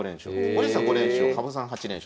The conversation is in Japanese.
森内さん５連勝羽生さん８連勝。